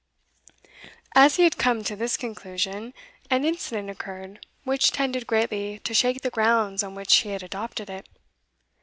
As he had come to this conclusion, an incident occurred which tended greatly to shake the grounds on which he had adopted it.